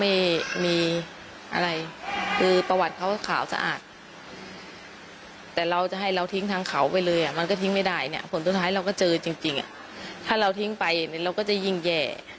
ไม่มีอะไรคือประวัติเขาขาวสะอาดแต่เราจะให้เราทิ้งทางเขาไปเลยอ่ะมันก็ทิ้งไม่ได้เนี่ยผลสุดท้ายเราก็เจอจริงถ้าเราทิ้งไปเราก็จะยิ่งแย่